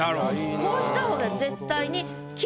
こうした方が絶対に。